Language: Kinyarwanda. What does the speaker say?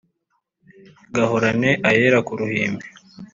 Gahorane ayera ku ruhimbi